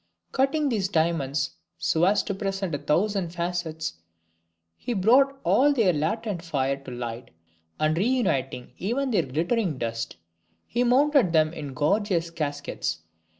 Cutting these diamonds so as to present a thousand facets, he brought all their latent fire to light, and re uniting even their glittering dust, he mounted them in gorgeous caskets.